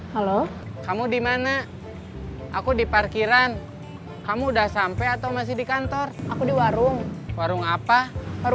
halo kamu dimana aku di parkiran kamu udah sampai atau masih di kantor aku di warung warung apa baru